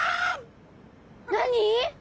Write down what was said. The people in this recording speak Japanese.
何？